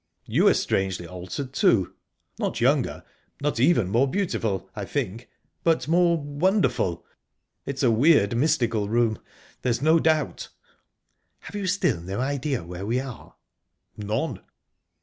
"You are strangely altered, too. Not younger, not even more beautiful, I think, but...more wonderful... It's a weird, mystical room, there's no doubt." "Have you still no idea where we are?" "None."